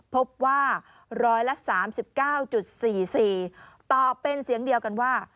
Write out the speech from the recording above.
พบว่าร้อยละสามสิบเก้าจุดสี่สี่ตอบเป็นเสียงเดียวกันว่า